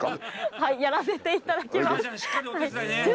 はい、やらせていただきます。